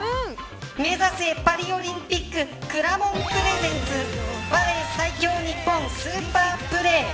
目指せパリオリンピックくらもんプレゼンツバレー最強ニッポンスーパープレー！